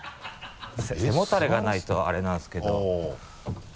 背もたれがないとあれなんですけど。